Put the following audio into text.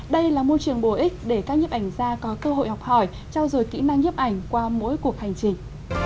đây là môi trường bổ ích để các nhếp ảnh gia có cơ hội học hỏi trao dồi kỹ năng nhấp ảnh qua mỗi cuộc hành trình